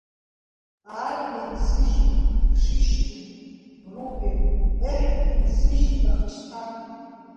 Аарла инсыжьит Шишкин, Врубель еҳ, инсыжьит, аха ишԥа?!